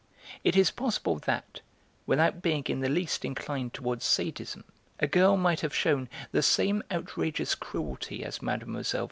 It is possible that, without being in the least inclined towards 'sadism,' a girl might have shewn the same outrageous cruelty as Mlle.